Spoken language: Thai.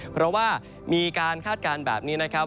เพราะว่ามีการคาดการณ์แบบนี้นะครับ